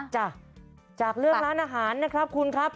จ้ะจากเรื่องร้านอาหารนะครับคุณครับ